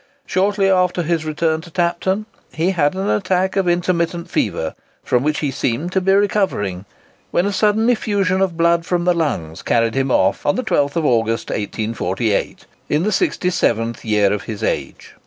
Shortly after his return to Tapton, he had an attack of intermittent fever, from which he seemed to be recovering, when a sudden effusion of blood from the lungs carried him off, on the 12th August, 1848, in the sixty seventh year of his age.